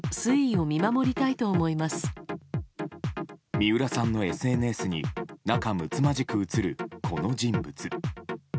三浦さんのＳＮＳに仲むつまじく写る、この人物。